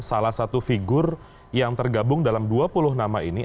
salah satu figur yang tergabung dalam dua puluh nama ini